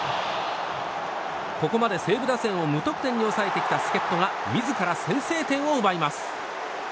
ここまで西武打線を無得点に抑えてきた助っ人が自ら先制点を奪います。